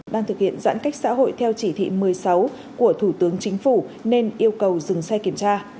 đang thực hiện giãn cách xã hội theo chỉ thị một mươi sáu của thủ tướng chính phủ nên yêu cầu dừng xe kiểm tra